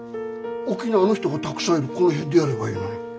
沖縄の人がたくさんいるこの辺でやればいいのに。